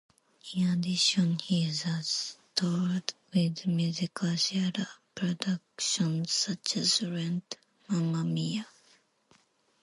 In addition he has toured with musical theater productions such as "Rent", "Mamma Mia!